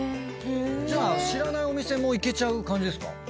じゃあ知らないお店も行けちゃう感じですか？